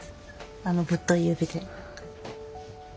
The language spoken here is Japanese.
あのぶっとい指で。